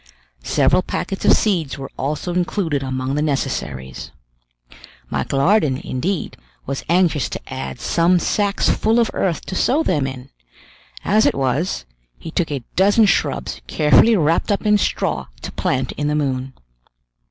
Several packets of seeds were also included among the necessaries. Michel Ardan, indeed, was anxious to add some sacks full of earth to sow them in; as it was, he took a dozen shrubs carefully wrapped up in straw to plant in the moon.